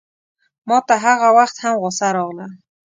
ماته هغه وخت هم غوسه راغله.